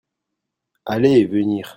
aller et venir.